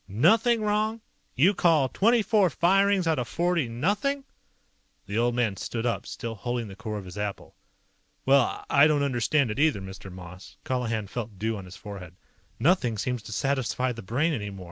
"Nothing wrong? You call twenty four firings out of forty nothing?" The old man stood up, still holding the core of his apple. "Well, I don't understand it either, Mr. Moss." Colihan felt dew on his forehead. "Nothing seems to satisfy the Brain anymore.